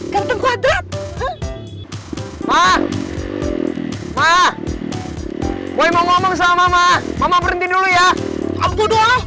c diasih sesuai kenapa see down